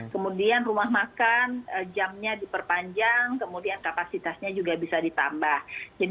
kemudian rumah makan jamnya diperpanjang kemudian kapasitasnya juga bisa ditambah